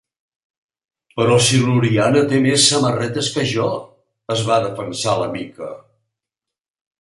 Però si l'Oriana té més samarretes que jo! —es va defensar la Mica.